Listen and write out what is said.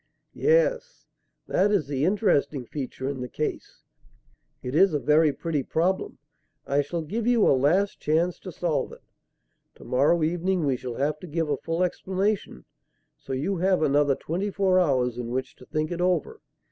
"Yes; that is the interesting feature in the case. It is a very pretty problem. I shall give you a last chance to solve it. To morrow evening we shall have to give a full explanation, so you have another twenty four hours in which to think it over.